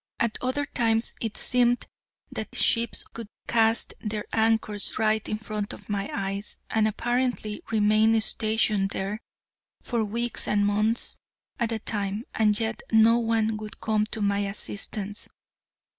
At other times it seemed that ships would cast their anchors right in front of my eyes, and apparently remain stationed there for weeks and months at a time, and yet no one would come to my assistance.